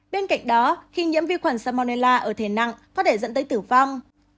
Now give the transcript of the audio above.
bên cạnh đó khi nhiễm vi khuẩn salmonella ở thể nặng có thể dẫn tới tử vong